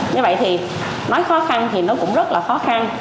như vậy thì mấy khó khăn thì nó cũng rất là khó khăn